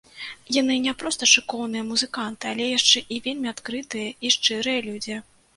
Яны не проста шыкоўныя музыканты, але яшчэ і вельмі адкрытыя і шчырыя людзі.